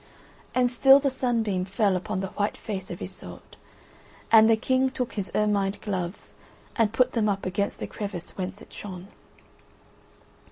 And still the sunbeam fell upon the white face of Iseult, and the King took his ermined gloves and put them up against the crevice whence it shone.